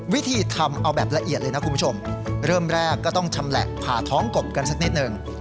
วิธีทำเอาแบบละเอียดเลยนะคุณผู้ชมเริ่มแรกก็ต้องชำแหละผ่าท้องกบกันสักนิดหนึ่ง